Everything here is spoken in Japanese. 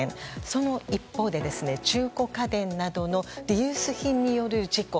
その一方で中古家電などのリユース品による事故